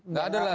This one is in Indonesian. nggak ada lah